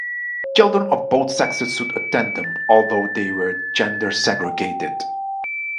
Children of both sexes could attend them, although they were gender segregated.